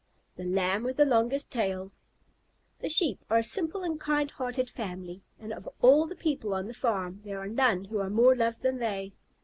THE LAMB WITH THE LONGEST TAIL The Sheep are a simple and kind hearted family, and of all the people on the farm there are none who are more loved than they.